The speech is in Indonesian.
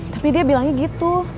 tapi dia bilangnya gitu